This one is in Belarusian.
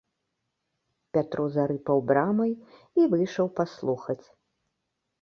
Пятро зарыпаў брамай і выйшаў паслухаць.